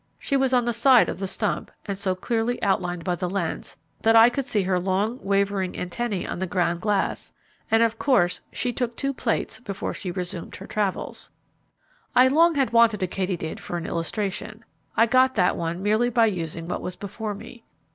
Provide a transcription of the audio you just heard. She was on the side of the stump, and so clearly outlined by the lens that I could see her long wavering antennae on the ground glass, and of course she took two plates before she resumed her travels. I long had wanted a katydid for an illustration. I got that one merely by using what was before me.